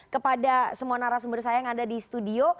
kepada semua narasumber saya yang ada di studio